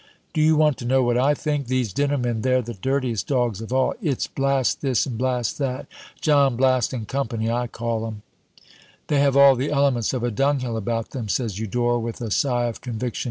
"Do you want to know what I think? These dinner men, they're the dirtiest dogs of all. It's 'Blast this' and 'Blast that' John Blast and Co., I call 'em." "They have all the elements of a dunghill about them," says Eudore, with a sigh of conviction.